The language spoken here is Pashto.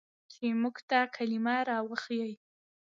چې موږ ته کلمه راوښييه.